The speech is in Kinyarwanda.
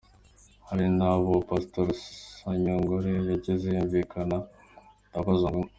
Hari n’aho uwo pasitoro Sanyangore yageze yumvikana abaza ngo:.